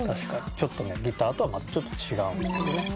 ちょっとねギターとはまたちょっと違うんですけどね。